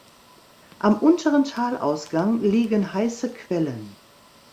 Am unteren Talausgang liegen heiße Quellen.